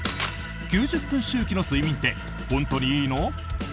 ９０分周期の睡眠って本当にいいの？